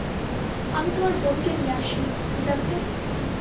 আমি তোমার বোনকে নিয়ে আসি, ঠিক আছে?